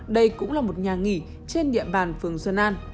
đây cũng là một nhà nghỉ trên địa bàn phường xuân an